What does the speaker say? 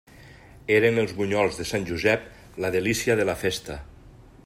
Eren els bunyols de Sant Josep, la delícia de la festa.